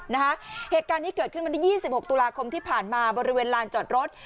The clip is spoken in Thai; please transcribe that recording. เหตุการณ์นี้เกิดขึ้นวันที่๒๖ตุลาคมที่ผ่านมาบริเวณลานจอดรถ